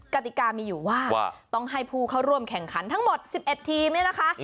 กติกามีอยู่ว่าต้องให้ผู้เข้าร่วมแข่งขันทั้งหมด๑๑ทีมเนี่ยนะคะ